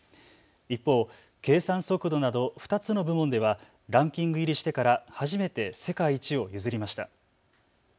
一方、計算速度など２つの部門ではランキング入りしてから初めて世界一を譲りました。